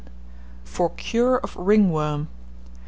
FOR CURE OF RINGWORM.